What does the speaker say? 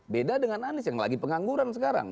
beda dengan anies yang lagi pengangguran sekarang